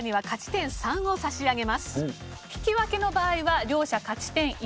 引き分けの場合は両者勝ち点１。